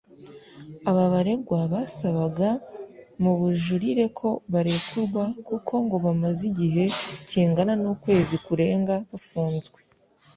Aba baregwa basabaga mu bujurire ko barekurwa kuko ngo bamaze igihe kingana n’ukwezi kurenga bafunzwe